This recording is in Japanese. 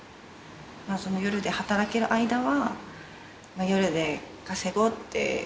夜で働ける間は、夜で稼ごうって。